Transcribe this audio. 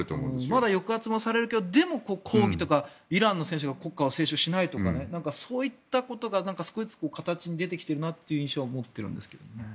まだ抑圧されるけどイランの選手が国歌を斉唱しないとかねそういったことが少しずつ形に出てきているなという印象は持ってるんですけどね。